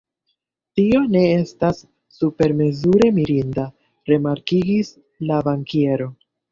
Tio ne estas supermezure mirinda, rimarkigis la bankiero.